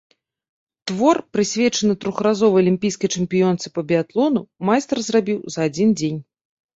Твор, прысвечаны трохразовай алімпійскай чэмпіёнцы па біятлону, майстар зрабіў за адзін дзень.